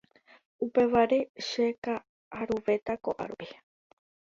upévare cheka'aruvéta ko'árupi